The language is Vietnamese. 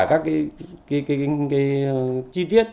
các chi tiết